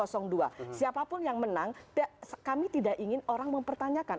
siapapun yang menang kami tidak ingin orang mempertanyakan